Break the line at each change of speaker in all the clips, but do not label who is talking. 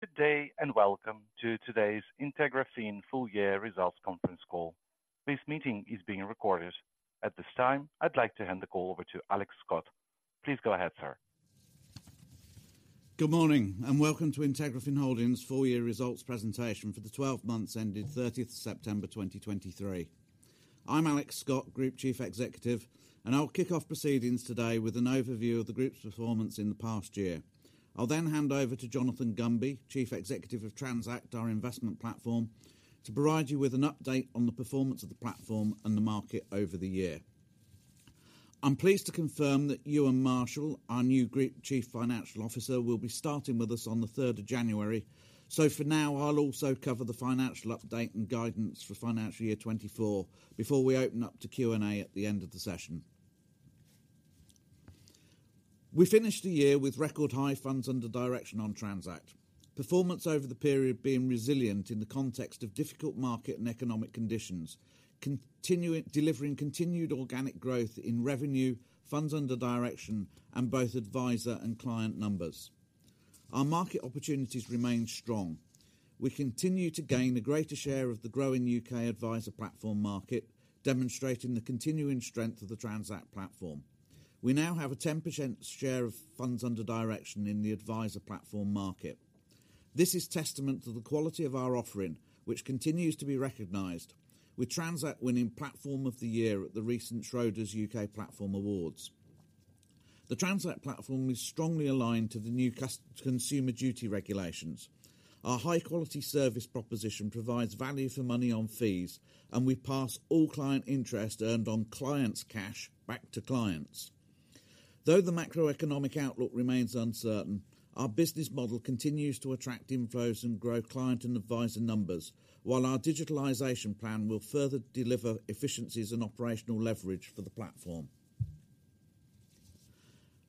Good day, and welcome to today's IntegraFin Full Year Results Conference Call. This meeting is being recorded. At this time, I'd like to hand the call over to Alex Scott. Please go ahead, sir.
Good morning, and welcome to IntegraFin Holdings' Full Year Results Presentation for the 12 Months ending 30th September 2023. I'm Alex Scott, Group Chief Executive, and I'll kick off proceedings today with an overview of the group's performance in the past year. I'll then hand over to Jonathan Gunby, Chief Executive of Transact, our investment platform, to provide you with an update on the performance of the platform and the market over the year. I'm pleased to confirm that Euan Marshall, our new Group Chief Financial Officer, will be starting with us on 3 January. So for now, I'll also cover the financial update and guidance for financial year 2024 before we open up to Q&A at the end of the session. We finished the year with record high funds under direction on Transact. Performance over the period being resilient in the context of difficult market and economic conditions, delivering continued organic growth in revenue, funds under direction, and both adviser and client numbers. Our market opportunities remain strong. We continue to gain a greater share of the growing U.K. adviser platform market, demonstrating the continuing strength of the Transact platform. We now have a 10% share of funds under direction in the adviser platform market. This is testament to the quality of our offering, which continues to be recognized, with Transact winning Platform of the Year at the recent Schroders U.K. Platform Awards. The Transact platform is strongly aligned to the new Consumer Duty regulations. Our high-quality service proposition provides value for money on fees, and we pass all client interest earned on clients' cash back to clients. Though the macroeconomic outlook remains uncertain, our business model continues to attract inflows and grow client and advisor numbers, while our digitalization plan will further deliver efficiencies and operational leverage for the platform.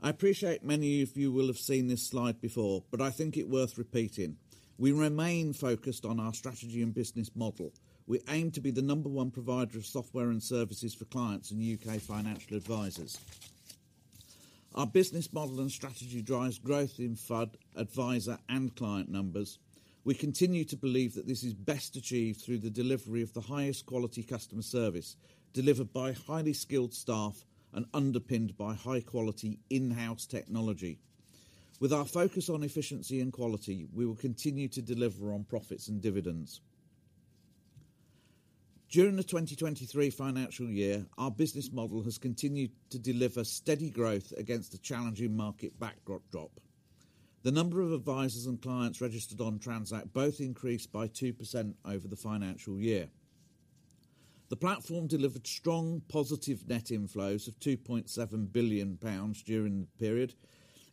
I appreciate many of you will have seen this slide before, but I think it worth repeating. We remain focused on our strategy and business model. We aim to be the number one provider of software and services for clients and U.K. financial advisors. Our business model and strategy drives growth in FUD, advisor, and client numbers. We continue to believe that this is best achieved through the delivery of the highest quality customer service, delivered by highly skilled staff and underpinned by high-quality in-house technology. With our focus on efficiency and quality, we will continue to deliver on profits and dividends. During the 2023 financial year, our business model has continued to deliver steady growth against a challenging market backdrop. The number of advisors and clients registered on Transact both increased by 2% over the financial year. The platform delivered strong, positive net inflows of GBP 2.7 billion during the period,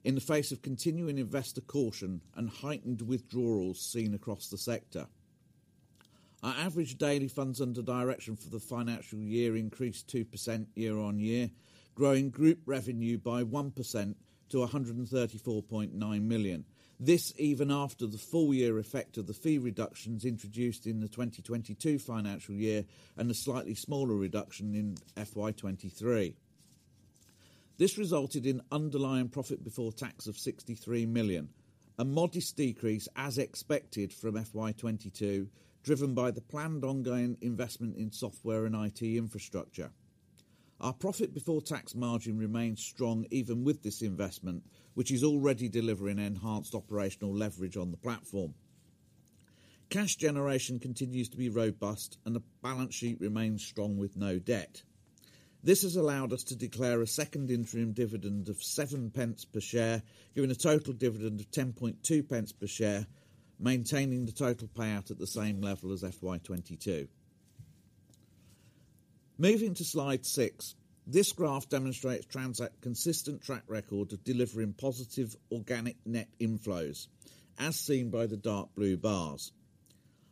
in the face of continuing investor caution and heightened withdrawals seen across the sector. Our average daily funds under direction for the financial year increased 2% year-on-year, growing group revenue by 1% to 134.9 million. This, even after the full year effect of the fee reductions introduced in the 2022 financial year, and a slightly smaller reduction in FY 2023. This resulted in underlying profit before tax of 63 million, a modest decrease, as expected from FY 2022, driven by the planned ongoing investment in software and IT infrastructure. Our profit before tax margin remains strong even with this investment, which is already delivering enhanced operational leverage on the platform. Cash generation continues to be robust, and the balance sheet remains strong with no debt. This has allowed us to declare a second interim dividend of 7 pence per share, giving a total dividend of 10.2 pence per share, maintaining the total payout at the same level as FY 2022. Moving to slide 6. This graph demonstrates Transact's consistent track record of delivering positive organic net inflows, as seen by the dark blue bars.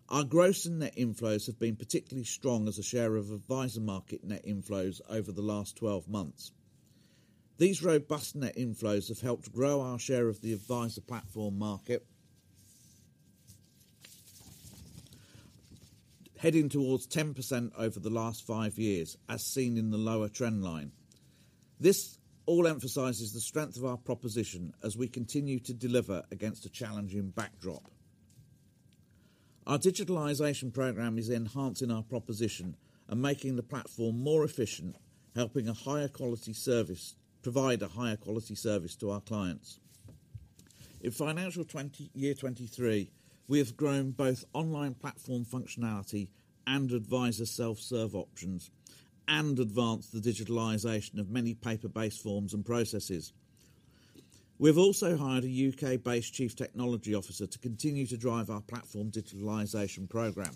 Our gross and net inflows have been particularly strong as a share of adviser market net inflows over the last 12 months. These robust net inflows have helped grow our share of the advisor platform market, heading towards 10% over the last five years, as seen in the lower trend line. This all emphasizes the strength of our proposition as we continue to deliver against a challenging backdrop. Our digitalization program is enhancing our proposition and making the platform more efficient, helping provide a higher quality service to our clients. In financial year 2023, we have grown both online platform functionality and advisor self-serve options and advanced the digitalization of many paper-based forms and processes. We have also hired a U.K.-based chief technology officer to continue to drive our platform digitalization program.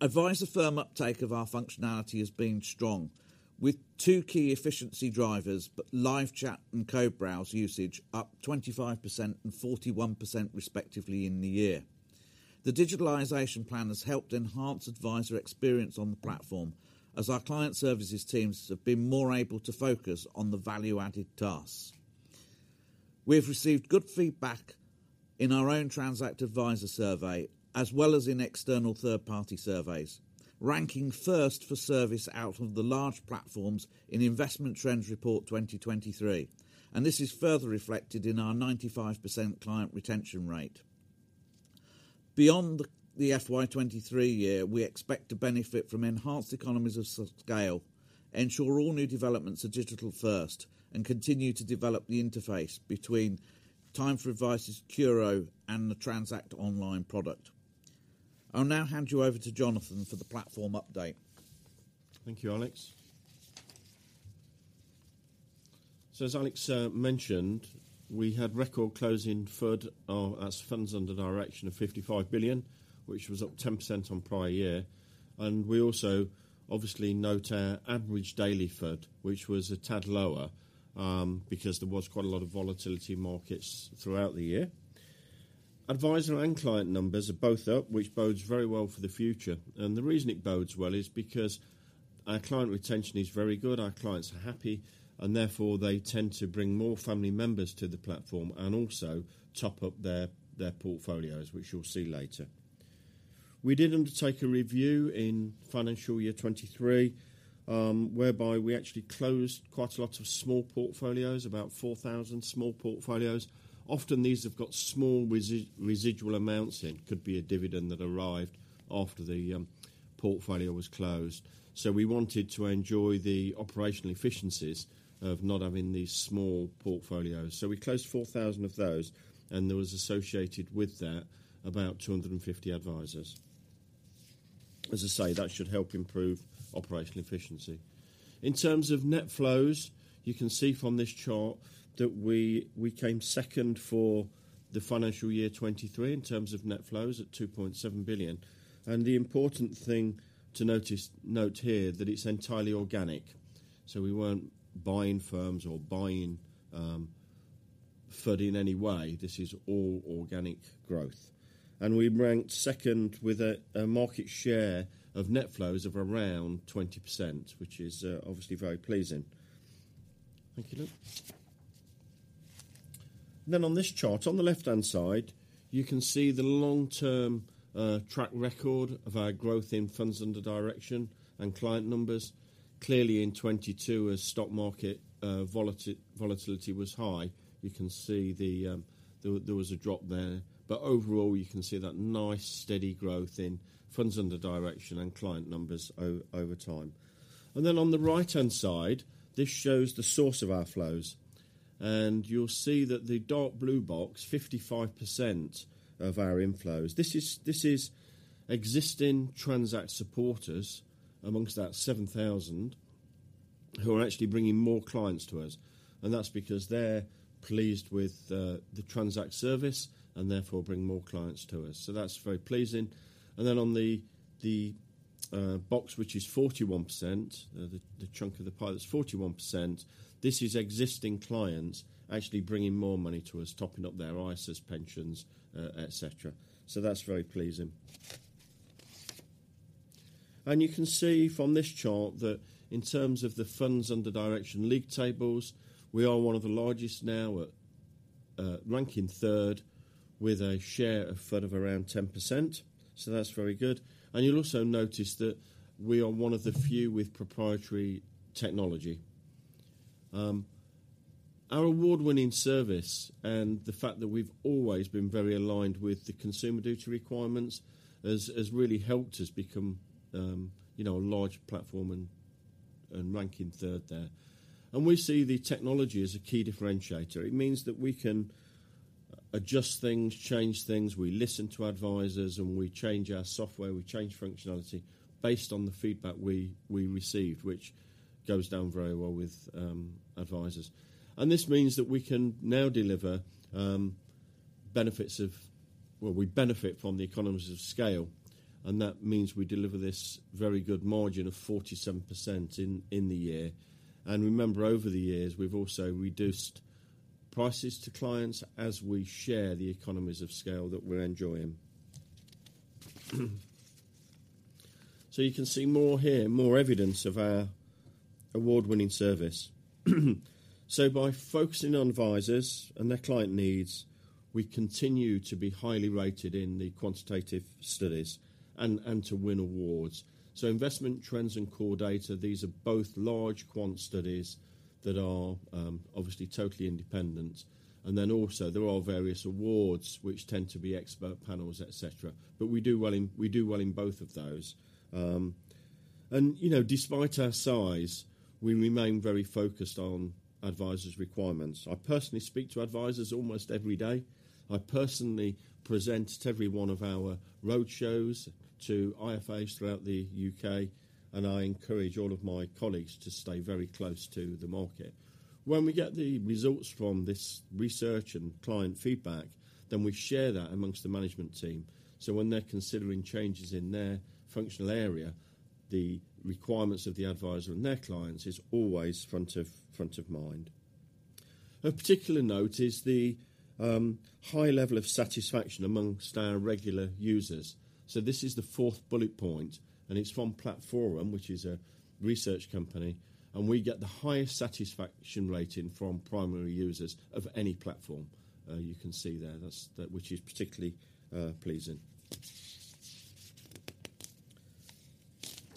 Advisor firm uptake of our functionality has been strong, with two key efficiency drivers, both live chat and co-browse usage up 25% and 41% respectively in the year. The digitalization plan has helped enhance advisor experience on the platform, as our client services teams have been more able to focus on the value-added tasks. We have received good feedback in our own Transact advisor survey, as well as in external third-party surveys, ranking first for service out of the large platforms in Investment Trends Report 2023, and this is further reflected in our 95% client retention rate. Beyond the FY 2023 year, we expect to benefit from enhanced economies of scale, ensure all new developments are digital first, and continue to develop the interface between Time4Advice's CURO and the Transact online product. I'll now hand you over to Jonathan for the platform update.
Thank you, Alex. So as Alex mentioned, we had record closing FUD as funds under direction of 55 billion, which was up 10% on prior year, and we also obviously note our average daily FUD, which was a tad lower because there was quite a lot of volatility in markets throughout the year. Adviser and client numbers are both up, which bodes very well for the future, and the reason it bodes well is because our client retention is very good, our clients are happy, and therefore, they tend to bring more family members to the platform and also top up their portfolios, which you'll see later. We did undertake a review in financial year 2023, whereby we actually closed quite a lot of small portfolios, about 4,000 small portfolios. Often, these have got small residual amounts in, could be a dividend that arrived after the portfolio was closed. So we wanted to enjoy the operational efficiencies of not having these small portfolios. So we closed 4,000 of those, and there was associated with that, about 250 advisors. As I say, that should help improve operational efficiency. In terms of net flows, you can see from this chart that we came second for the financial year 2023 in terms of net flows at 2.7 billion. And the important thing to note here, that it's entirely organic, so we weren't buying firms or buying FUD in any way. This is all organic growth. And we ranked second with a market share of net flows of around 20%, which is obviously very pleasing. Thank you, Luke. Then on this chart, on the left-hand side, you can see the long-term track record of our growth in funds under direction and client numbers. Clearly, in 2022, as stock market volatility was high, you can see the there was a drop there. But overall, you can see that nice, steady growth in funds under direction and client numbers over time. And then on the right-hand side, this shows the source of our flows, and you'll see that the dark blue box, 55% of our inflows. This is existing Transact supporters, amongst that 7,000, who are actually bringing more clients to us, and that's because they're pleased with the Transact service and therefore bring more clients to us. So that's very pleasing. And then on the box, which is 41%, the chunk of the pie that's 41%, this is existing clients actually bringing more money to us, topping up their ISAs, pensions, et cetera. So that's very pleasing. And you can see from this chart that in terms of the funds under direction league tables, we are one of the largest now at ranking third, with a share of FUD of around 10%, so that's very good. And you'll also notice that we are one of the few with proprietary technology. Our award-winning service and the fact that we've always been very aligned with the Consumer Duty requirements has really helped us become, you know, a large platform and ranking third there. And we see the technology as a key differentiator. It means that we can adjust things, change things. We listen to advisors, and we change our software, we change functionality based on the feedback we receive, which goes down very well with advisors. And this means that we can now deliver benefits of... Well, we benefit from the economies of scale, and that means we deliver this very good margin of 47% in the year. And remember, over the years, we've also reduced prices to clients as we share the economies of scale that we're enjoying. So you can see more here, more evidence of our award-winning service. So by focusing on advisors and their client needs, we continue to be highly rated in the quantitative studies and to win awards. So Investment Trends and CoreData, these are both large quant studies that are obviously totally independent. Then also there are various awards which tend to be expert panels, et cetera, but we do well in, we do well in both of those. You know, despite our size, we remain very focused on advisors' requirements. I personally speak to advisors almost every day. I personally present at every one of our roadshows to IFAs throughout the U.K., and I encourage all of my colleagues to stay very close to the market. When we get the results from this research and client feedback, then we share that amongst the management team, so when they're considering changes in their functional area, the requirements of the advisor and their clients is always front of, front of mind. Of particular note is the high level of satisfaction amongst our regular users. So this is the fourth bullet point, and it's from Platforum, which is a research company, and we get the highest satisfaction rating from primary users of any platform, you can see there. That's which is particularly pleasing.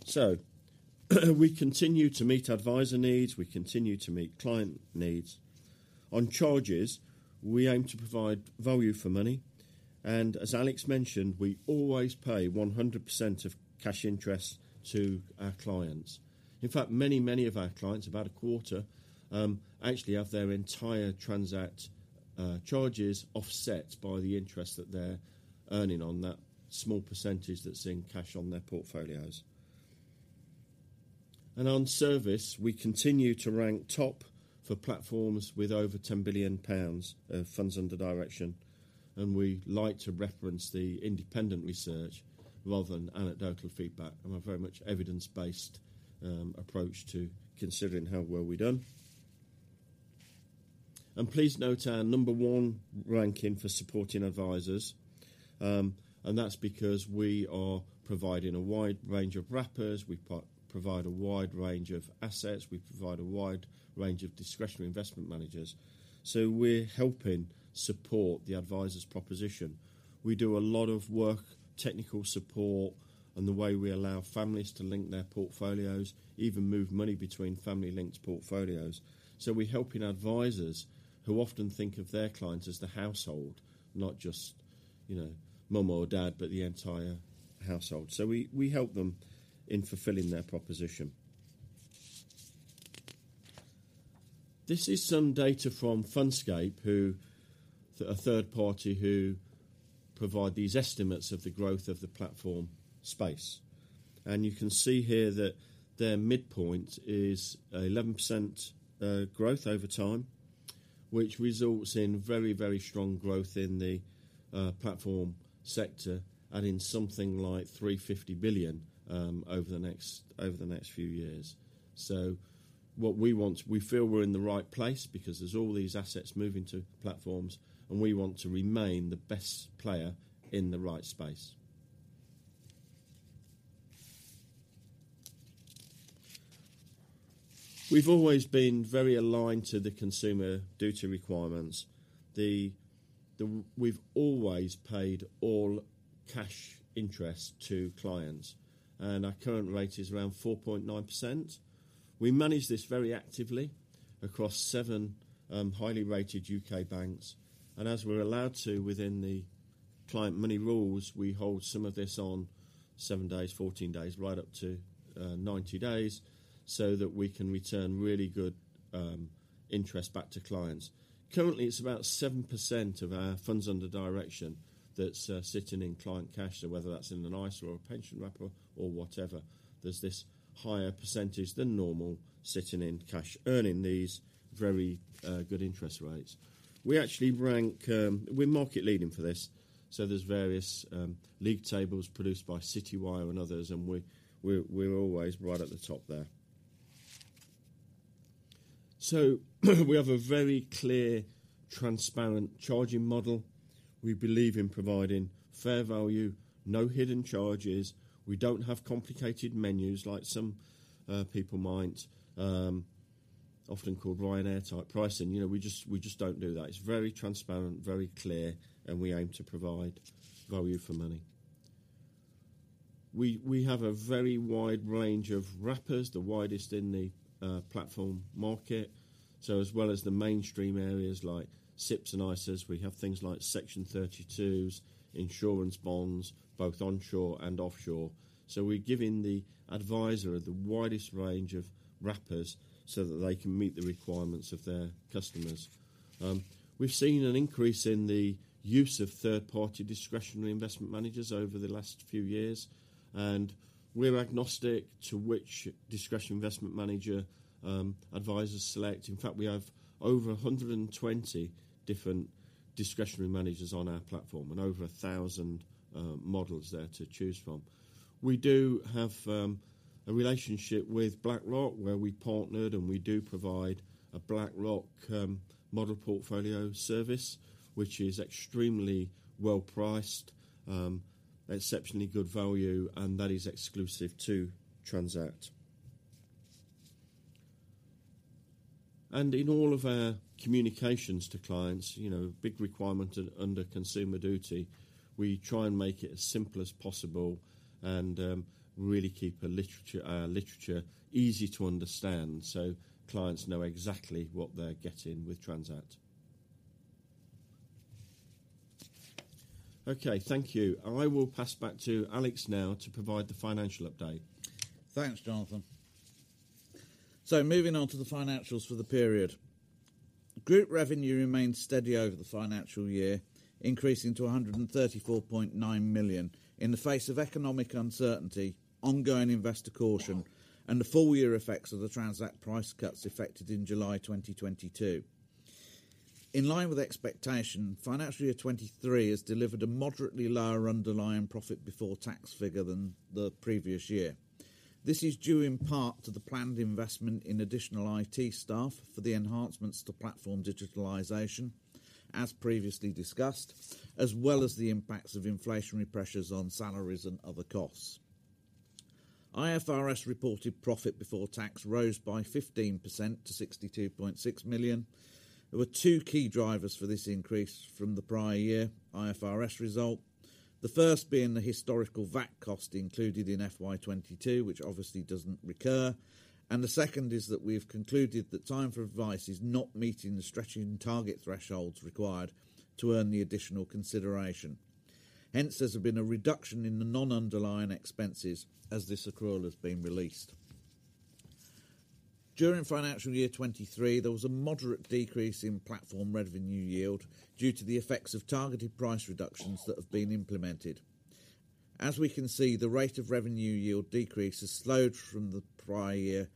So, we continue to meet advisor needs, we continue to meet client needs. On charges, we aim to provide value for money, and as Alex mentioned, we always pay 100% of cash interest to our clients. In fact, many, many of our clients, about a quarter, actually have their entire Transact charges offset by the interest that they're earning on that small percentage that's in cash on their portfolios. On service, we continue to rank top for platforms with over 10 billion pounds of funds under direction, and we like to reference the independent research rather than anecdotal feedback, and we're very much evidence-based approach to considering how well we've done. Please note our number one ranking for supporting advisors, and that's because we are providing a wide range of wrappers. We provide a wide range of assets. We provide a wide range of discretionary investment managers, so we're helping support the advisor's proposition. We do a lot of work, technical support, and the way we allow families to link their portfolios, even move money between family linked portfolios. So we're helping advisors who often think of their clients as the household, not just, you know, mom or dad, but the entire household. So we help them in fulfilling their proposition. This is some data from Fundscape, a third party who provide these estimates of the growth of the platform space. And you can see here that their midpoint is 11% growth over time, which results in very, very strong growth in the platform sector, adding something like 350 billion over the next, over the next few years. So what we want we feel we're in the right place because there's all these assets moving to platforms, and we want to remain the best player in the right space. We've always been very aligned to the Consumer Duty requirements. We've always paid all cash interest to clients, and our current rate is around 4.9%. We manage this very actively across 7 highly rated U.K. banks, and as we're allowed to, within the client money rules, we hold some of this on 7 days, 14 days, right up to 90 days, so that we can return really good interest back to clients. Currently, it's about 7% of our funds under direction that's sitting in client cash, so whether that's in an ISA or a pension wrapper or whatever, there's this higher percentage than normal sitting in cash, earning these very good interest rates. We actually rank... We're market leading for this, so there's various league tables produced by Citywire and others, and we're always right at the top there. So we have a very clear, transparent charging model. We believe in providing fair value, no hidden charges. We don't have complicated menus, like some people might often call Ryanair type pricing. You know, we just, we just don't do that. It's very transparent, very clear, and we aim to provide value for money. We have a very wide range of wrappers, the widest in the platform market, so as well as the mainstream areas like SIPPs and ISAs, we have things like Section 32s, insurance bonds, both onshore and offshore. So we're giving the advisor the widest range of wrappers so that they can meet the requirements of their customers. We've seen an increase in the use of third-party discretionary investment managers over the last few years, and we're agnostic to which discretionary investment manager advisors select. In fact, we have over 120 different discretionary managers on our platform, and over 1,000 models there to choose from. We do have a relationship with BlackRock, where we partnered, and we do provide a BlackRock model portfolio service, which is extremely well-priced, exceptionally good value, and that is exclusive to Transact. And in all of our communications to clients, you know, big requirement under Consumer Duty, we try and make it as simple as possible and really keep the literature easy to understand, so clients know exactly what they're getting with Transact. Okay, thank you. I will pass back to Alex now to provide the financial update.
Thanks, Jonathan. So moving on to the financials for the period. Group revenue remained steady over the financial year, increasing to 134.9 million, in the face of economic uncertainty, ongoing investor caution, and the full year effects of the Transact price cuts effected in July 2022. In line with expectation, financial year 2023 has delivered a moderately lower underlying profit before tax figure than the previous year. This is due, in part, to the planned investment in additional IT staff for the enhancements to platform digitalization, as previously discussed, as well as the impacts of inflationary pressures on salaries and other costs. IFRS reported profit before tax rose by 15% to 62.6 million. There were two key drivers for this increase from the prior year IFRS result.... The first being the historical VAT cost included in FY 2022, which obviously doesn't recur, and the second is that we've concluded that Time4Advice is not meeting the stretching target thresholds required to earn the additional consideration. Hence, there's been a reduction in the non-underlying expenses as this accrual has been released. During financial year 2023, there was a moderate decrease in platform revenue yield due to the effects of targeted price reductions that have been implemented. As we can see, the rate of revenue yield decrease has slowed from the prior year,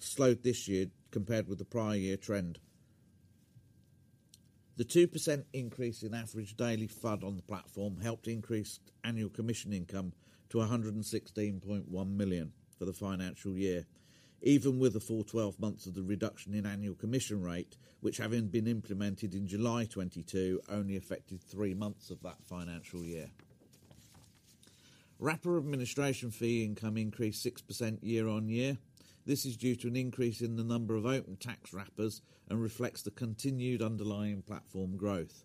slowed this year compared with the prior year trend. The 2% increase in average daily FUD on the platform helped increase annual commission income to 116.1 million for the financial year, even with the full 12 months of the reduction in annual commission rate, which, having been implemented in July 2022, only affected 3 months of that financial year. Wrapper administration fee income increased 6% year-on-year. This is due to an increase in the number of open tax wrappers and reflects the continued underlying platform growth.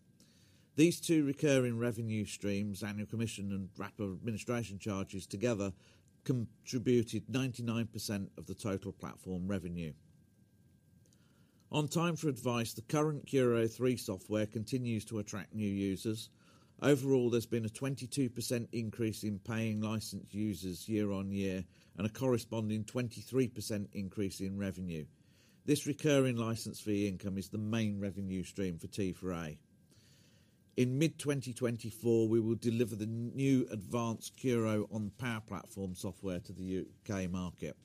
These two recurring revenue streams, annual commission and wrapper administration charges, together contributed 99% of the total platform revenue. On Time4Advice, the current CURO 3 software continues to attract new users. Overall, there's been a 22% increase in paying licensed users year-on-year and a corresponding 23% increase in revenue. This recurring license fee income is the main revenue stream for T4A. In mid-2024, we will deliver the new advanced CURO on Power Platform software to the U.K. market.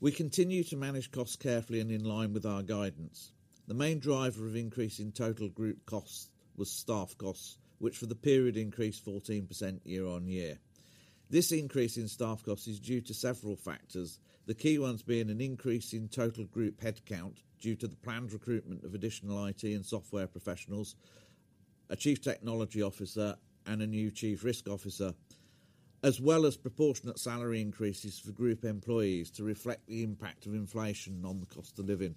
We continue to manage costs carefully and in line with our guidance. The main driver of increase in total group costs was staff costs, which for the period increased 14% year-on-year. This increase in staff costs is due to several factors, the key ones being an increase in total group headcount due to the planned recruitment of additional IT and software professionals, a Chief Technology Officer and a new Chief Risk Officer, as well as proportionate salary increases for group employees to reflect the impact of inflation on the cost of living.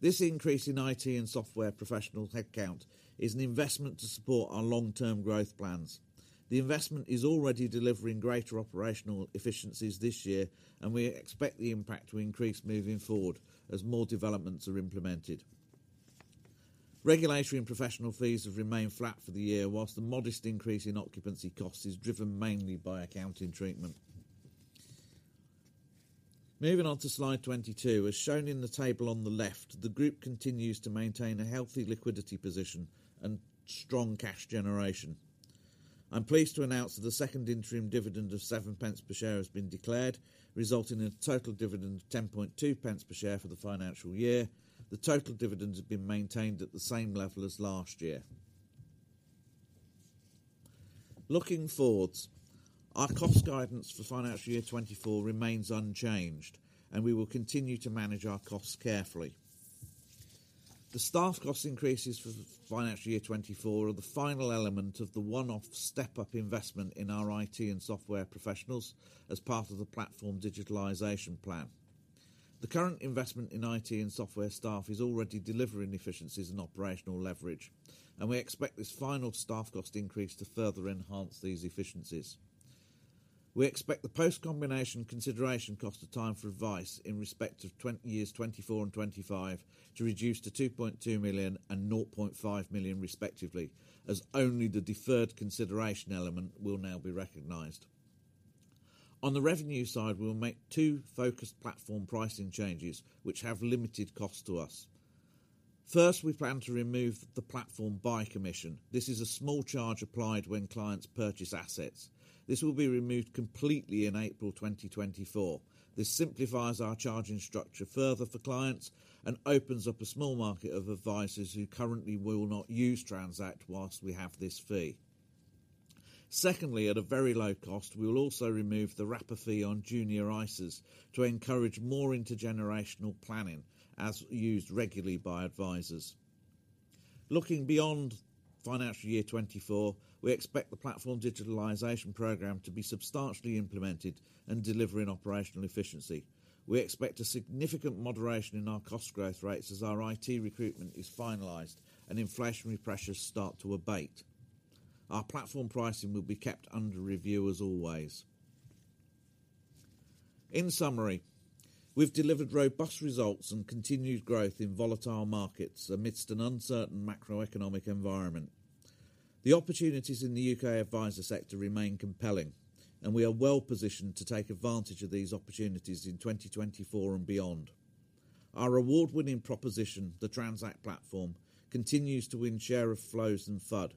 This increase in IT and software professional headcount is an investment to support our long-term growth plans. The investment is already delivering greater operational efficiencies this year, and we expect the impact to increase moving forward as more developments are implemented. Regulatory and professional fees have remained flat for the year, while the modest increase in occupancy costs is driven mainly by accounting treatment. Moving on to slide 22. As shown in the table on the left, the group continues to maintain a healthy liquidity position and strong cash generation. I'm pleased to announce that the second interim dividend of 7 pence per share has been declared, resulting in a total dividend of 10.2 pence per share for the financial year. The total dividend has been maintained at the same level as last year. Looking forward, our cost guidance for financial year 2024 remains unchanged, and we will continue to manage our costs carefully. The staff cost increases for the financial year 2024 are the final element of the one-off step-up investment in our IT and software professionals as part of the platform digitalization plan. The current investment in IT and software staff is already delivering efficiencies and operational leverage, and we expect this final staff cost increase to further enhance these efficiencies. We expect the post-combination consideration cost of Time4Advice in respect of 2024 and 2025, to reduce to 2.2 million and 0.5 million respectively, as only the deferred consideration element will now be recognized. On the revenue side, we will make two focused platform pricing changes, which have limited cost to us. First, we plan to remove the platform buy commission. This is a small charge applied when clients purchase assets. This will be removed completely in April 2024. This simplifies our charging structure further for clients and opens up a small market of advisors who currently will not use Transact whilst we have this fee. Secondly, at a very low cost, we will also remove the wrapper fee on Junior ISAs to encourage more intergenerational planning, as used regularly by advisors. Looking beyond financial year 2024, we expect the platform digitalization program to be substantially implemented and delivering operational efficiency. We expect a significant moderation in our cost growth rates as our IT recruitment is finalized and inflationary pressures start to abate. Our platform pricing will be kept under review, as always. In summary, we've delivered robust results and continued growth in volatile markets amidst an uncertain macroeconomic environment. The opportunities in the U.K. advisor sector remain compelling, and we are well positioned to take advantage of these opportunities in 2024 and beyond. Our award-winning proposition, the Transact platform, continues to win share of flows and FUD,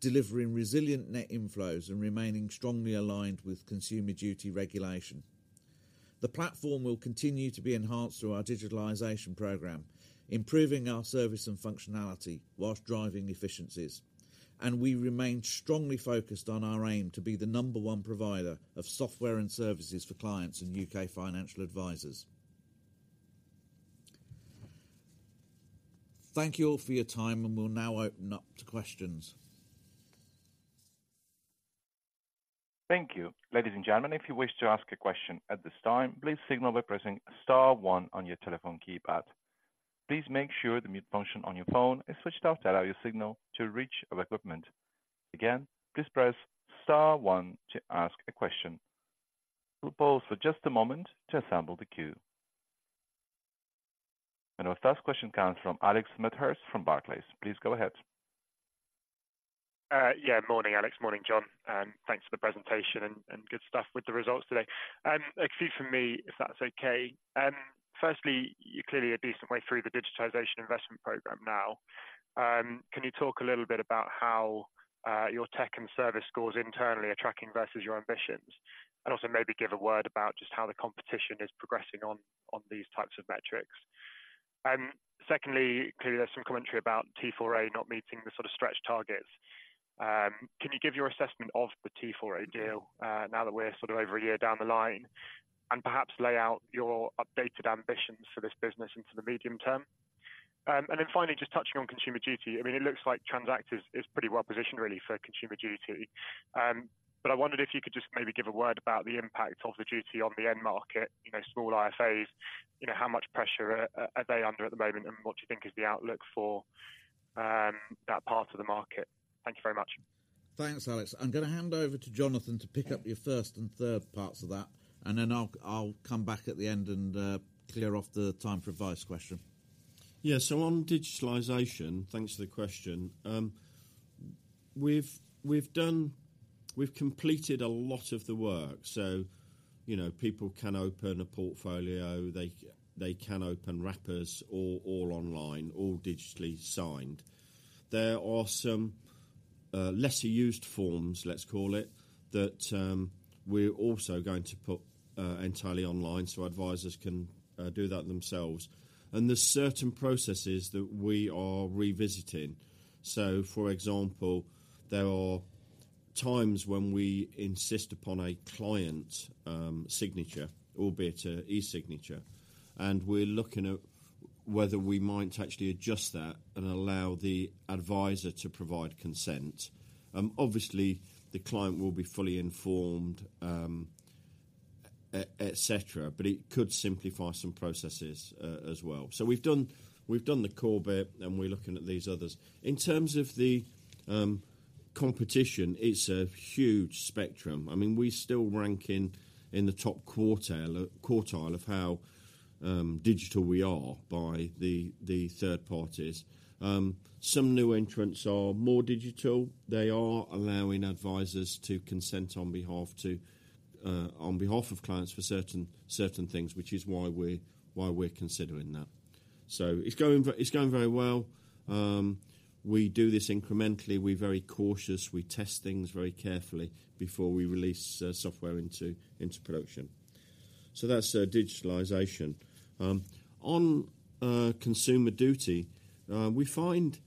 delivering resilient net inflows and remaining strongly aligned with Consumer Duty regulation. The platform will continue to be enhanced through our digitalization program, improving our service and functionality while driving efficiencies. We remain strongly focused on our aim to be the number one provider of software and services for clients and U.K. financial advisors. Thank you all for your time, and we'll now open up to questions.
Thank you. Ladies and gentlemen, if you wish to ask a question at this time, please signal by pressing star one on your telephone keypad. Please make sure the mute function on your phone is switched off to allow your signal to reach our equipment. Again, please press star one to ask a question. We'll pause for just a moment to assemble the queue. Our first question comes from Alex Medhurst from Barclays. Please go ahead.
Yeah, morning, Alex. Morning, John, and thanks for the presentation and good stuff with the results today. Excuse me, if that's okay. Firstly, you're clearly a decent way through the digitization investment program now. Can you talk a little bit about how your tech and service scores internally are tracking versus your ambitions? And also maybe give a word about just how the competition is progressing on these types of metrics. Secondly, clearly, there's some commentary about T4A not meeting the sort of stretch targets. Can you give your assessment of the T4A deal, now that we're sort of over a year down the line, and perhaps lay out your updated ambitions for this business into the medium term? And then finally, just touching on Consumer Duty. I mean, it looks like Transact is pretty well positioned really for Consumer Duty. But I wondered if you could just maybe give a word about the impact of the duty on the end market, you know, small IFAs. You know, how much pressure are they under at the moment, and what do you think is the outlook for that part of the market? Thank you very much.
Thanks, Alex. I'm gonna hand over to Jonathan to pick up your first and third parts of that, and then I'll come back at the end and clear off the Time4Advice question.
Yeah. So on digitalization, thanks for the question. We've completed a lot of the work, so, you know, people can open a portfolio. They can open wrappers all online, all digitally signed. There are some lesser-used forms, let's call it, that we're also going to put entirely online so advisors can do that themselves. And there's certain processes that we are revisiting. So for example, there are times when we insist upon a client signature, albeit an e-signature. And we're looking at whether we might actually adjust that and allow the advisor to provide consent. Obviously, the client will be fully informed, et cetera, but it could simplify some processes as well. So we've done the core bit, and we're looking at these others. In terms of the competition, it's a huge spectrum. I mean, we still rank in the top quartile of how digital we are by the third parties. Some new entrants are more digital. They are allowing advisors to consent on behalf of clients for certain things, which is why we're considering that. So it's going very well. We do this incrementally. We're very cautious. We test things very carefully before we release software into production. So that's digitalization. On Consumer Duty, we find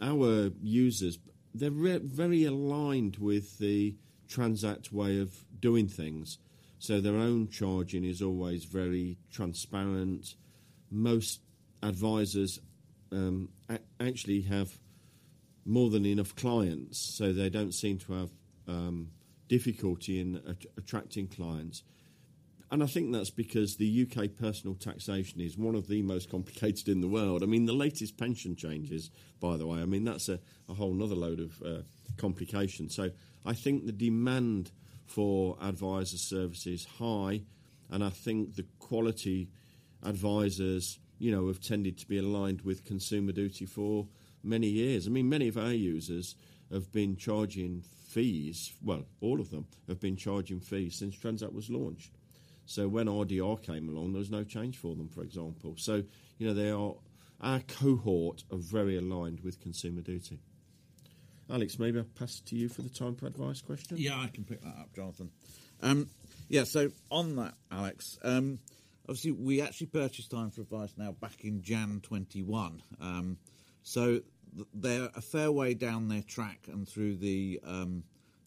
our users, they're very aligned with the Transact way of doing things, so their own charging is always very transparent. Most advisors actually have more than enough clients, so they don't seem to have difficulty in attracting clients. I think that's because the U.K. personal taxation is one of the most complicated in the world. I mean, the latest pension changes, by the way, I mean, that's a whole other load of complications. So I think the demand for advisor service is high, and I think the quality advisors, you know, have tended to be aligned with Consumer Duty for many years. I mean, many of our users have been charging fees... Well, all of them have been charging fees since Transact was launched. So when RDR came along, there was no change for them, for example. So you know, they are, our cohort are very aligned with Consumer Duty. Alex, maybe I'll pass it to you for the Time4Advice question?
Yeah, I can pick that up, Jonathan. Yeah, so on that, Alex, obviously, we actually purchased Time4Advice now back in January 2021. So they're a fair way down their track and through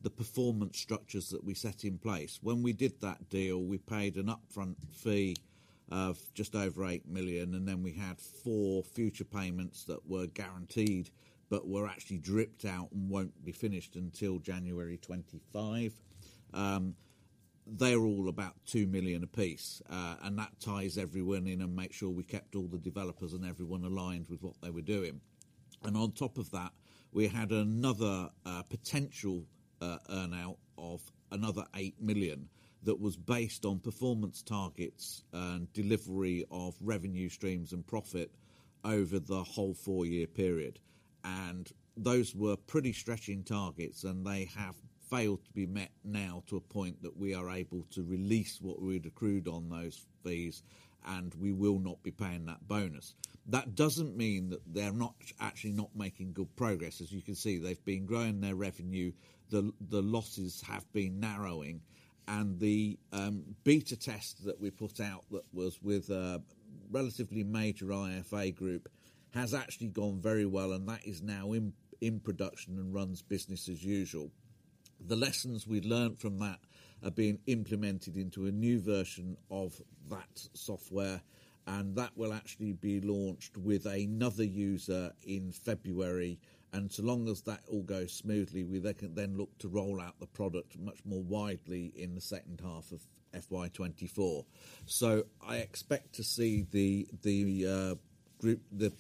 the performance structures that we set in place. When we did that deal, we paid an upfront fee of just over £8 million, and then we had 4 future payments that were guaranteed but were actually dripped out and won't be finished until January 2025. They're all about £2 million apiece, and that ties everyone in and make sure we kept all the developers and everyone aligned with what they were doing. And on top of that, we had another potential earn-out of another £8 million that was based on performance targets and delivery of revenue streams and profit over the whole 4-year period. And those were pretty stretching targets, and they have failed to be met now to a point that we are able to release what we'd accrued on those fees, and we will not be paying that bonus. That doesn't mean that they're not, actually not making good progress. As you can see, they've been growing their revenue, the losses have been narrowing, and the beta test that we put out that was with a relatively major IFA group has actually gone very well, and that is now in production and runs business as usual. The lessons we've learned from that- ... are being implemented into a new version of that software, and that will actually be launched with another user in February. And so long as that all goes smoothly, we then can look to roll out the product much more widely in the second half of FY 2024. So I expect to see the group, the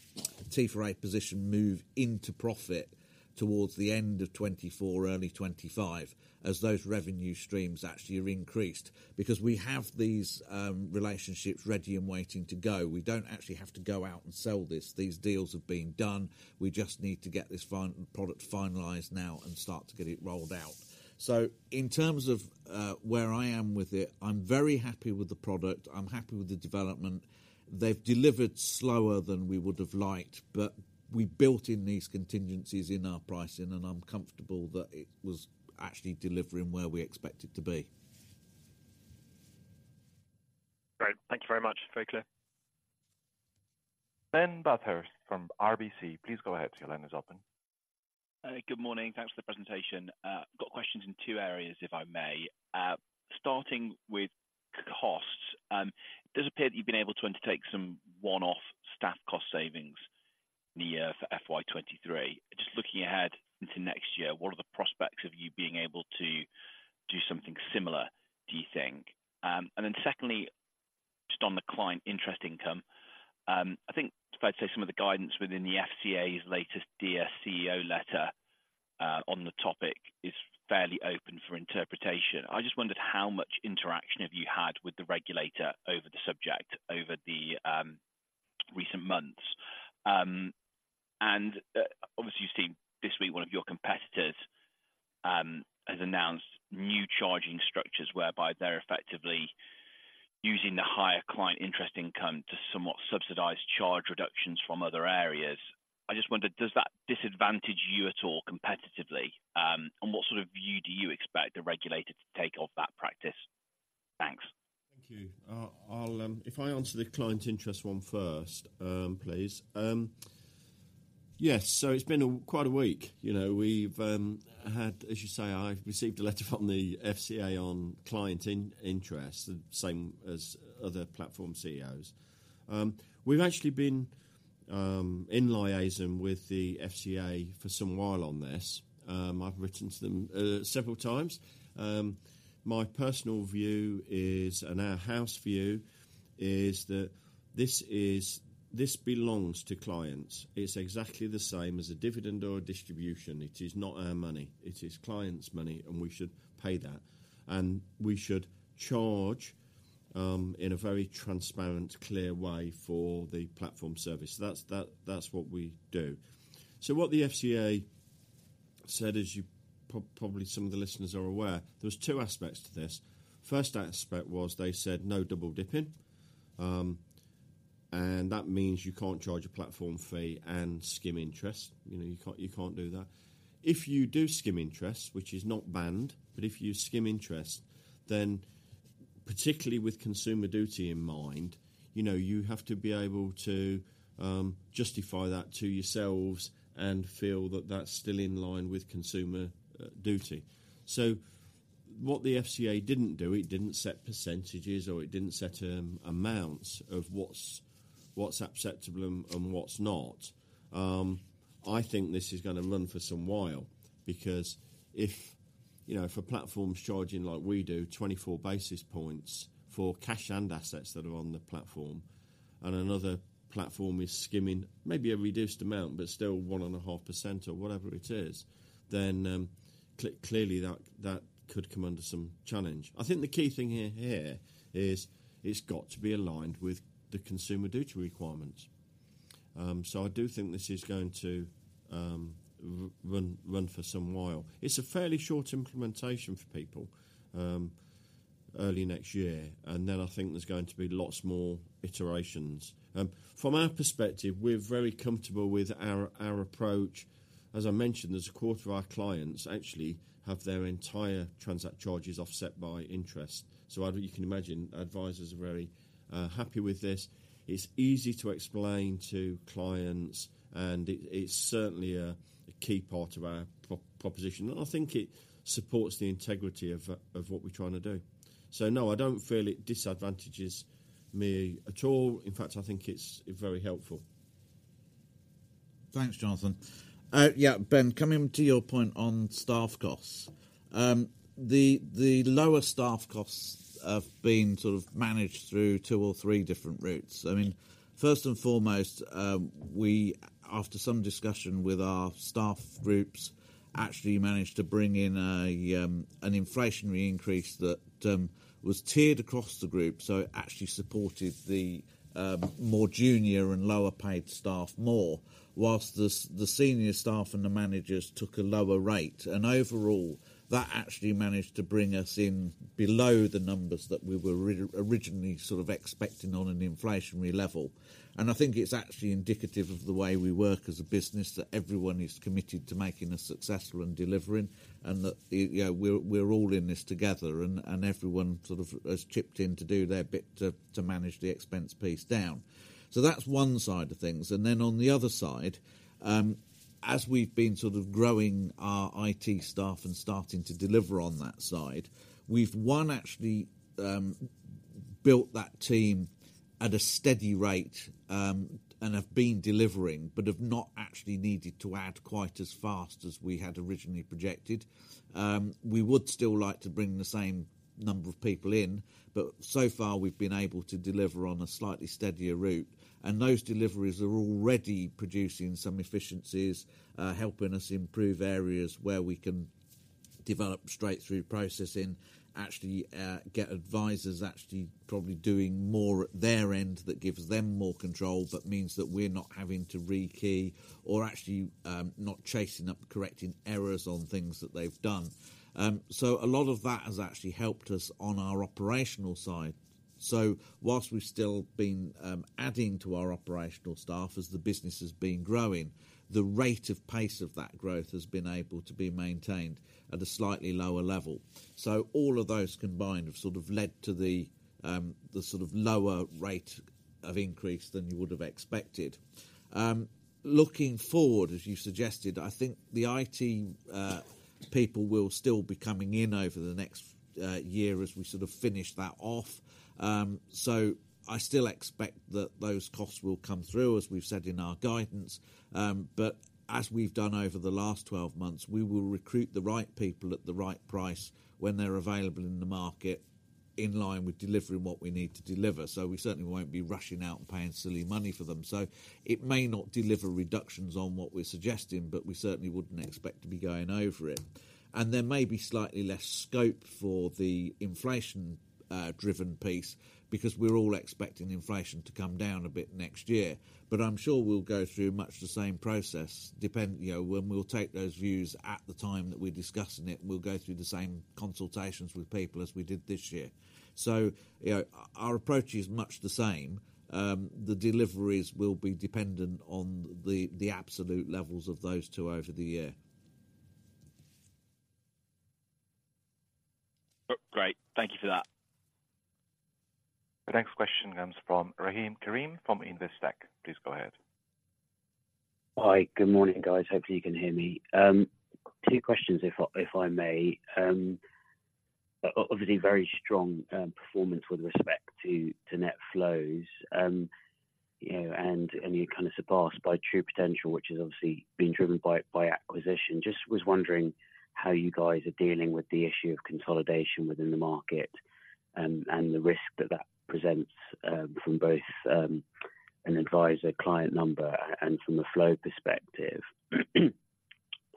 T4A position move into profit towards the end of 2024, early 2025, as those revenue streams actually are increased. Because we have these relationships ready and waiting to go. We don't actually have to go out and sell this. These deals have been done. We just need to get this product finalized now and start to get it rolled out. So in terms of where I am with it, I'm very happy with the product. I'm happy with the development. They've delivered slower than we would have liked, but we built in these contingencies in our pricing, and I'm comfortable that it was actually delivering where we expect it to be.
Great, thank you very much. Very clear. Ben Bathurst from RBC, please go ahead. Your line is open.
Good morning. Thanks for the presentation. Got questions in two areas, if I may. Starting with costs, it does appear that you've been able to undertake some one-off staff cost savings in the year for FY 2023. Just looking ahead into next year, what are the prospects of you being able to do something similar, do you think? And then secondly, just on the client interest income, I think, if I'd say, some of the guidance within the FCA's latest Dear CEO letter, on the topic is fairly open for interpretation. I just wondered, how much interaction have you had with the regulator over the subject, over the recent months? And, obviously, you've seen this week, one of your competitors has announced new charging structures, whereby they're effectively using the higher client interest income to somewhat subsidize charge reductions from other areas. I just wondered, does that disadvantage you at all competitively? And what sort of view do you expect the regulator to take of that practice? Thanks.
Thank you. I'll if I answer the client interest one first, please. Yes, so it's been quite a week. You know, we've had... As you say, I've received a letter from the FCA on client interest, the same as other platform CEOs. We've actually been in liaison with the FCA for some while on this. I've written to them several times. My personal view is, and our house view is, that this is, this belongs to clients. It's exactly the same as a dividend or a distribution. It is not our money. It is clients' money, and we should pay that, and we should charge in a very transparent, clear way for the platform service. That's what we do. So what the FCA said, as you probably some of the listeners are aware, there's two aspects to this. First aspect was they said, "No double dipping." That means you can't charge a platform fee and skim interest. You know, you can't, you can't do that. If you do skim interest, which is not banned, but if you skim interest, then particularly with Consumer Duty in mind, you know, you have to be able to justify that to yourselves and feel that that's still in line with Consumer Duty. So what the FCA didn't do, it didn't set percentages, or it didn't set amounts of what's acceptable and what's not. I think this is gonna run for some while, because if, you know, if a platform's charging, like we do, 24 basis points for cash and assets that are on the platform, and another platform is skimming maybe a reduced amount, but still 1.5% or whatever it is, then, clearly, that could come under some challenge. I think the key thing here is it's got to be aligned with the Consumer Duty requirements. So I do think this is going to run for some while. It's a fairly short implementation for people early next year, and then I think there's going to be lots more iterations. From our perspective, we're very comfortable with our approach. As I mentioned, there's a quarter of our clients actually have their entire Transact charges offset by interest, so I... You can imagine, advisors are very happy with this. It's easy to explain to clients, and it, it's certainly a key part of our proposition, and I think it supports the integrity of what we're trying to do. So no, I don't feel it disadvantages me at all. In fact, I think it's very helpful. Thanks, Jonathan. Yeah, Ben, coming to your point on staff costs. The lower staff costs have been sort of managed through two or three different routes. I mean, first and foremost, we, after some discussion with our staff groups, actually managed to bring in an inflationary increase that was tiered across the group. So it actually supported the more junior and lower-paid staff more, while the senior staff and the managers took a lower rate, and overall, that actually managed to bring us in below the numbers that we were originally sort of expecting on an inflationary level. And I think it's actually indicative of the way we work as a business, that everyone is committed to making us successful and delivering, and that, you know, we're all in this together and everyone sort of has chipped in to do their bit to manage the expense piece down. So that's one side of things. And then on the other side, as we've been sort of growing our IT staff and starting to deliver on that side, we've won, actually.... built that team at a steady rate, and have been delivering, but have not actually needed to add quite as fast as we had originally projected. We would still like to bring the same number of people in, but so far we've been able to deliver on a slightly steadier route. And those deliveries are already producing some efficiencies, helping us improve areas where we can develop straight through processing, actually, get advisors actually probably doing more at their end. That gives them more control, but means that we're not having to rekey or actually, not chasing up, correcting errors on things that they've done. So a lot of that has actually helped us on our operational side. So whilst we've still been adding to our operational staff, as the business has been growing, the rate of pace of that growth has been able to be maintained at a slightly lower level. So all of those combined have sort of led to the sort of lower rate of increase than you would have expected. Looking forward, as you suggested, I think the IT people will still be coming in over the next year as we sort of finish that off. So I still expect that those costs will come through, as we've said in our guidance. But as we've done over the last 12 months, we will recruit the right people at the right price when they're available in the market, in line with delivering what we need to deliver. So we certainly won't be rushing out and paying silly money for them. So it may not deliver reductions on what we're suggesting, but we certainly wouldn't expect to be going over it. And there may be slightly less scope for the inflation, driven piece, because we're all expecting inflation to come down a bit next year. But I'm sure we'll go through much the same process, you know, when we'll take those views at the time that we're discussing it, we'll go through the same consultations with people as we did this year. So, you know, our approach is much the same. The deliveries will be dependent on the, the absolute levels of those two over the year.
Oh, great. Thank you for that.
The next question comes from Rahim Karim from Investec. Please go ahead.
Hi. Good morning, guys. Hopefully you can hear me. Two questions if I may. Obviously, very strong performance with respect to net flows. You know, and you kind of surpassed your true potential, which has obviously been driven by acquisition. Just was wondering how you guys are dealing with the issue of consolidation within the market and the risk that that presents from both an advisor-client number and from a flow perspective.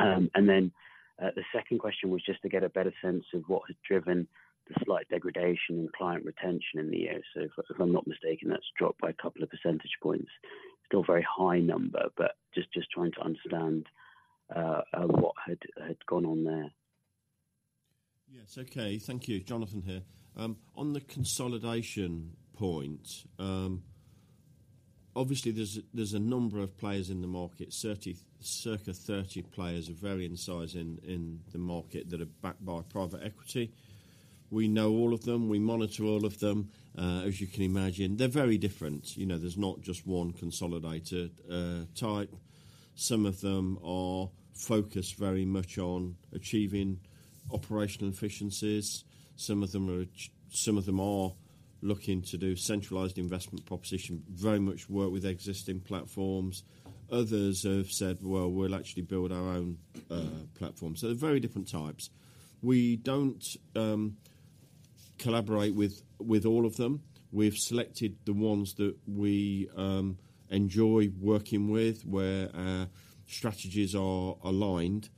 And then the second question was just to get a better sense of what has driven the slight degradation in client retention in the year. So if I'm not mistaken, that's dropped by a couple of percentage points. Still a very high number, but just trying to understand what had gone on there.
Yes. Okay. Thank you. Jonathan here. On the consolidation point, obviously, there's a number of players in the market, 30, circa 30 players of varying size in the market that are backed by private equity. We know all of them. We monitor all of them. As you can imagine, they're very different. You know, there's not just one consolidator type. Some of them are focused very much on achieving operational efficiencies. Some of them are looking to do centralized investment proposition, very much work with existing platforms. Others have said, "Well, we'll actually build our own platform." So they're very different types. We don't collaborate with all of them. We've selected the ones that we enjoy working with, where our strategies are aligned,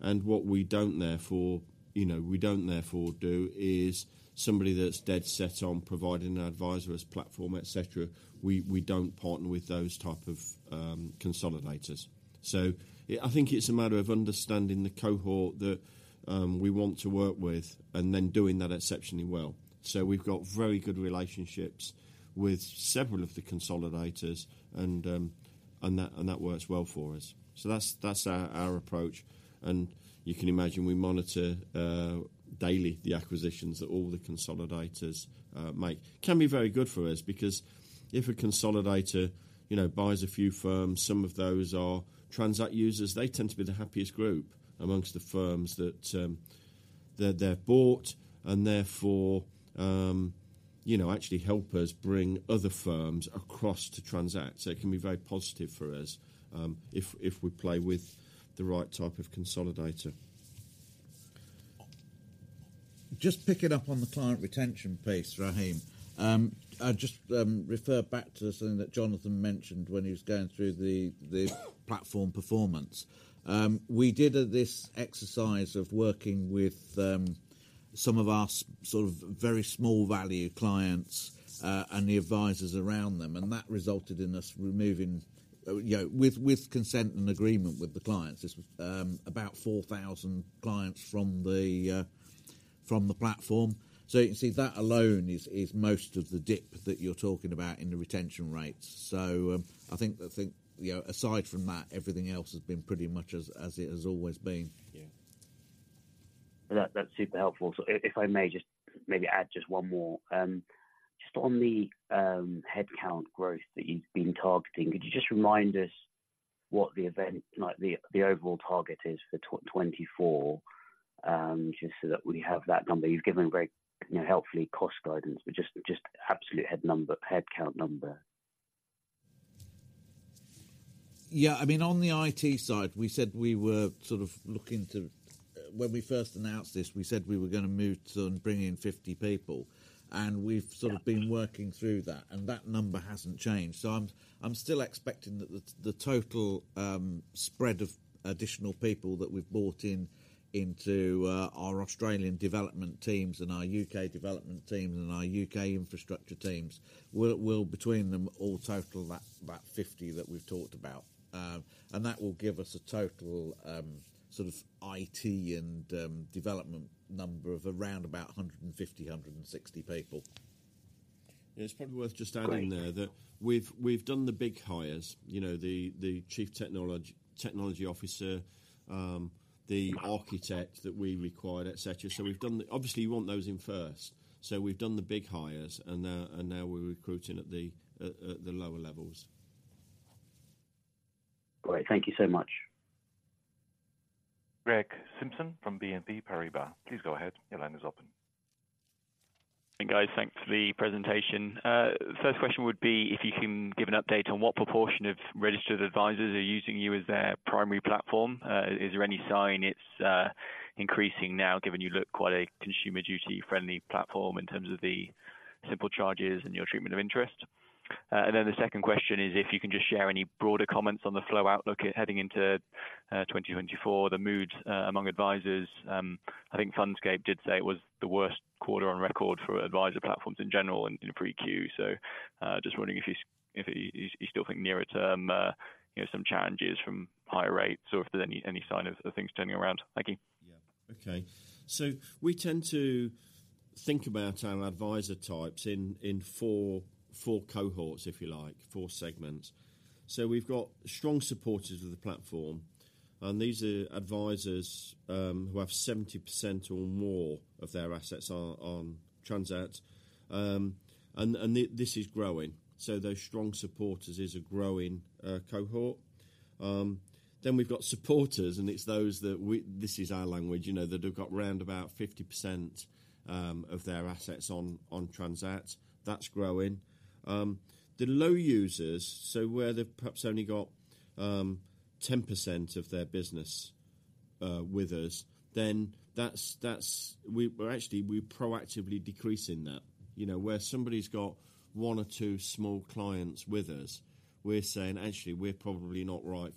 and what we don't therefore, you know, we don't therefore do, is somebody that's dead set on providing an advisor as platform, et cetera. We don't partner with those type of consolidators. So I think it's a matter of understanding the cohort that we want to work with and then doing that exceptionally well. So we've got very good relationships with several of the consolidators, and that works well for us. So that's our approach. And you can imagine we monitor daily the acquisitions that all the consolidators make. Can be very good for us, because if a consolidator, you know, buys a few firms, some of those are Transact users, they tend to be the happiest group amongst the firms that bought and therefore, you know, actually help us bring other firms across to Transact. So it can be very positive for us, if we play with the right type of consolidator.
Just picking up on the client retention piece, Rahim. I'd just refer back to something that Jonathan mentioned when he was going through the platform performance. We did this exercise of working with some of our sort of very small value clients, and the advisors around them, and that resulted in us removing, you know, with consent and agreement with the clients. This was about 4,000 clients from the platform. So you can see that alone is most of the dip that you're talking about in the retention rates. So, I think the thing, you know, aside from that, everything else has been pretty much as it has always been.
That, that's super helpful. So if I may just maybe add just one more. Just on the headcount growth that you've been targeting, could you just remind us what the, like, the overall target is for 2024, just so that we have that number. You've given very, you know, helpfully cost guidance, but just absolute head number, headcount number.
Yeah, I mean, on the IT side, we said we were sort of looking to, when we first announced this, we said we were gonna move to and bring in 50 people, and we've sort of been working through that, and that number hasn't changed. So I'm still expecting that the total spread of additional people that we've brought in, into our Australian development teams and our U.K. development teams and our U.K. infrastructure teams will between them all total about 50 that we've talked about. And that will give us a total sort of IT and development number of around about 150, 160 people. We've done the big hires, you know, the Chief Technology Officer, the architect that we required, et cetera. So we've done the... Obviously, you want those in first. So we've done the big hires, and now we're recruiting at the lower levels.
Great. Thank you so much.
Greg Simpson from BNP Paribas. Please go ahead. Your line is open.
Hey, guys. Thanks for the presentation. First question would be if you can give an update on what proportion of registered advisors are using you as their primary platform. Is there any sign it's increasing now, given you look quite a Consumer Duty-friendly platform in terms of the simple charges and your treatment of interest? And then the second question is, if you can just share any broader comments on the flow outlook heading into 2024, the moods among advisors. I think Fundscape did say it was the worst quarter on record for advisor platforms in general in Q3. So, just wondering if you still think nearer term, you know, some challenges from higher rates, or if there any sign of things turning around. Thank you.
Yeah. Okay. So we tend to think about our advisor types in four cohorts, if you like, four segments. So we've got strong supporters of the platform, and these are advisors who have 70% or more of their assets are on Transact. And this is growing, so those strong supporters is a growing cohort. Then we've got supporters, and it's those that we... This is our language, you know, that have got around about 50% of their assets on Transact. That's growing. The low users, so where they've perhaps only got 10% of their business with us, then that's – well, actually, we're proactively decreasing that. You know, where somebody's got one or two small clients with us, we're saying, "Actually, we're probably not right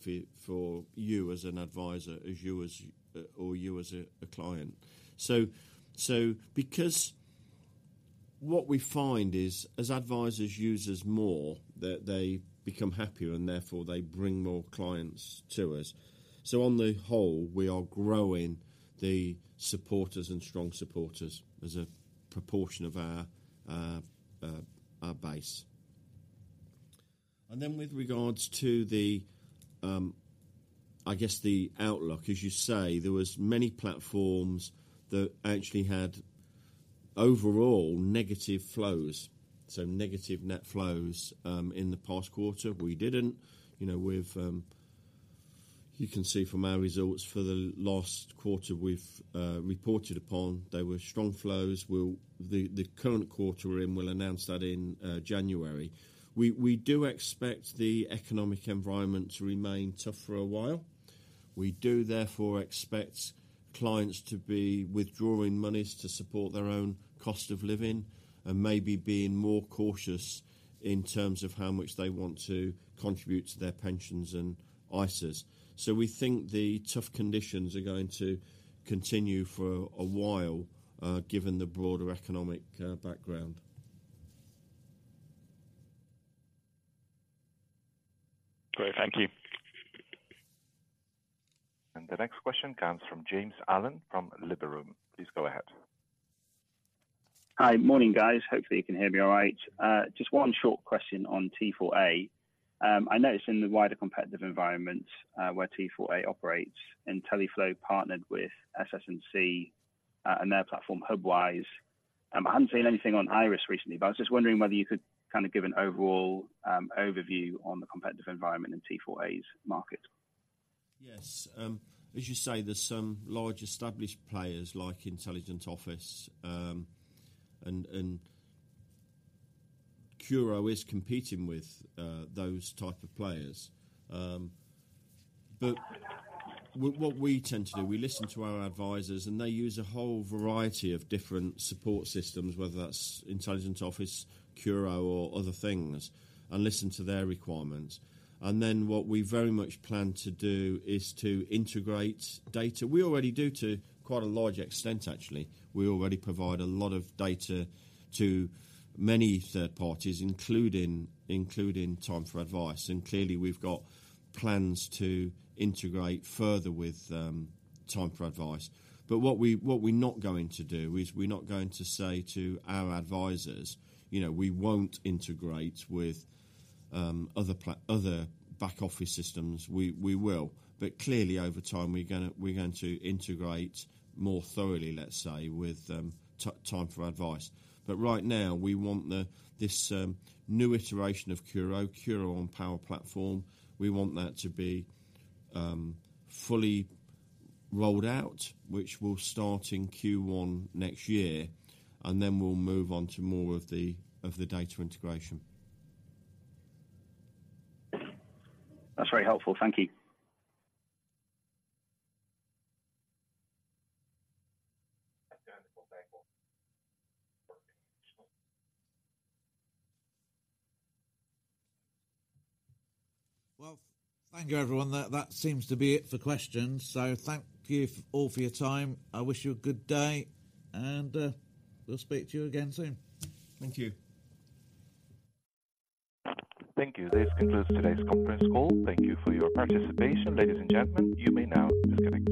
for you as an advisor, or you as a client." So because what we find is, as advisors use us more, they become happier, and therefore, they bring more clients to us. So on the whole, we are growing the supporters and strong supporters as a proportion of our base. And then, with regards to the, I guess, the outlook, as you say, there was many platforms that actually had overall negative flows, so negative net flows, in the past quarter. We didn't. You know, we've you can see from our results for the last quarter we've reported upon, there were strong flows. We'll the current quarter we're in, we'll announce that in January. We do expect the economic environment to remain tough for a while. We do, therefore, expect clients to be withdrawing monies to support their own cost of living and maybe being more cautious in terms of how much they want to contribute to their pensions and ISAs. So we think the tough conditions are going to continue for a while, given the broader economic background.
Great, thank you.
The next question comes from James Allen from Liberum. Please go ahead.
Hi. Morning, guys. Hopefully, you can hear me all right. Just one short question on T4A. I noticed in the wider competitive environment where T4A operates, Intelliflo partnered with SS&C and their platform, Hubwise. I haven't seen anything on Iress recently, but I was just wondering whether you could kind of give an overall overview on the competitive environment in T4A's market.
Yes. As you say, there's some large established players like Intelligent Office, and CURO is competing with those type of players. But what we tend to do, we listen to our advisors, and they use a whole variety of different support systems, whether that's Intelligent Office, CURO, or other things, and listen to their requirements. And then, what we very much plan to do is to integrate data. We already do to quite a large extent, actually. We already provide a lot of data to many third parties, including Time4Advice, and clearly, we've got plans to integrate further with Time4Advice. But what we're not going to do is, we're not going to say to our advisors, "You know, we won't integrate with other back office systems." We will. But clearly, over time, we're gonna, we're going to integrate more thoroughly, let's say, with Time4Advice. But right now, we want this new iteration of CURO, CURO on Power Platform, we want that to be fully rolled out, which will start in Q1 next year, and then we'll move on to more of the data integration.
That's very helpful. Thank you.
We'll go back on.
Well, thank you, everyone. That, that seems to be it for questions. So thank you all for your time. I wish you a good day, and we'll speak to you again soon. Thank you.
Thank you. This concludes today's conference call. Thank you for your participation. Ladies and gentlemen, you may now disconnect.